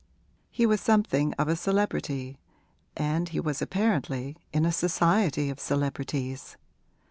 He was something of a celebrity and he was apparently in a society of celebrities.